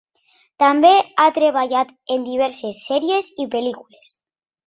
També ha treballat en diverses sèries i pel·lícules.